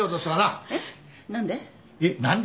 えっ？何で？